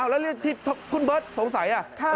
แล้วเรื่องที่คุณเบิร์ตสงสัย